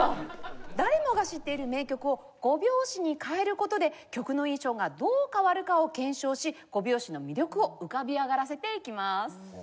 誰もが知っている名曲を５拍子に変える事で曲の印象がどう変わるかを検証し５拍子の魅力を浮かび上がらせていきます。